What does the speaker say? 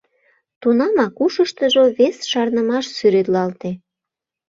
Тунамак ушыштыжо вес шарнымаш сӱретлалте.